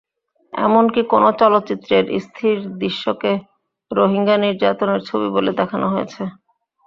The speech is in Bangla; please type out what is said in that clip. এমনকি কোনো চলচ্চিত্রের স্থির দৃশ্যকে রোহিঙ্গা নির্যাতনের ছবি বলে দেখানো হয়েছে।